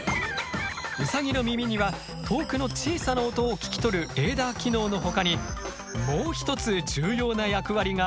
ウサギの耳には遠くの小さな音を聞き取るレーダー機能のほかにもう一つ重要な役割がある。